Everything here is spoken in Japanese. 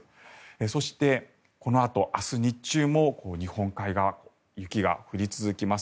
そしてこのあと明日日中も日本海側、雪が降り続けます。